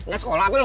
gak sekolah apa lo